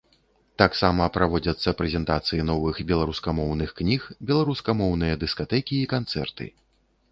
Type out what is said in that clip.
Таксама праводзяцца прэзентацыі новых беларускамоўных кніг, беларускамоўныя дыскатэкі і канцэрты.